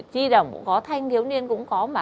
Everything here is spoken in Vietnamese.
chi đồng cũng có thanh thiếu niên cũng có